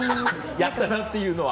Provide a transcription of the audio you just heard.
やったなっていうのは？